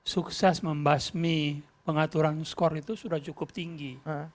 sukses membasmi pengaturan skor itu sudah cukup tinggi